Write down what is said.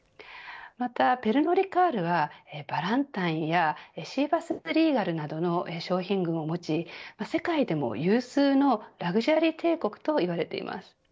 また、ペルノ・リカールはバランタインやシーバスリーガルなどの商品群を持ち世界でも有数のラグジュアリー帝国といわれています。